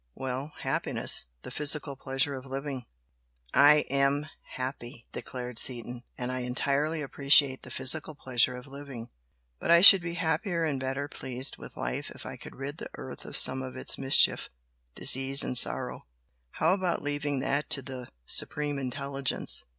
"Well! happiness the physical pleasure of living " "I AM happy" declared Seaton "and I entirely appreciate the physical pleasure of living. But I should be happier and better pleased with life if I could rid the earth of some of its mischief, disease and sorrow " "How about leaving that to the Supreme Intelligence?"